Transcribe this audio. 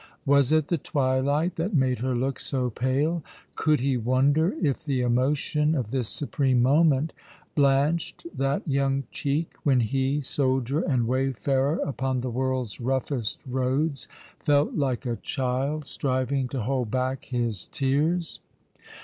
Was it the tv/ilight that made her look so pale ? Could he wonder if the emotion of this supreme moment blanched that young cheek, when he, soldier and wayfarer upon the world's roughest roads, felt like a child, striving to hold back his tears